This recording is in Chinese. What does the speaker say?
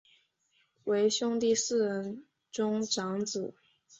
为兄弟四人中长子。